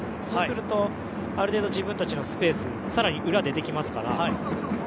そうすると、ある程度自分たちのスペース更に裏でできますから。